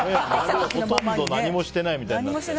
ほとんど何もしてないみたいな。